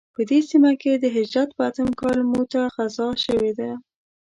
په دې سیمه کې د هجرت په اتم کال موته غزا شوې ده.